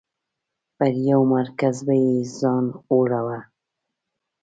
پر یو مرکز به یې ځان اړوه.